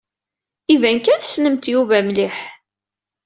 Iban kan tessnemt Yuba mliḥ.